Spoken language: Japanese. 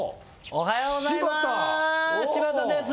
おはようございます柴田です